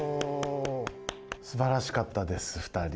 すばらしかったです２人。